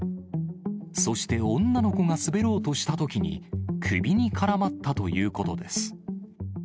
そして女の子が滑ろうとしたときに、首に絡まったということです。